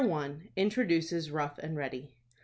INTRODUCES ROUGH AND READY.